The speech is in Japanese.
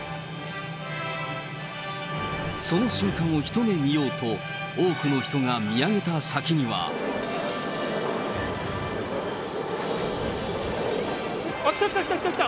その瞬間を一目見ようと、多くの人が見上げた先には。来た来た来た来た。